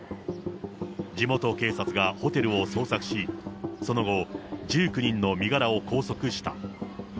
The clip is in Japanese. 地元警察がホテルを捜索し、その後、１９人の身柄を拘束した。